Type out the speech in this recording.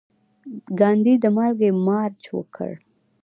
ګاندي د مالګې مارچ وکړ.